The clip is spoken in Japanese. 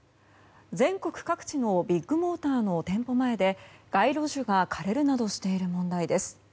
全国各地のビッグモーターの店舗前で街路樹が枯れるなどしている問題です。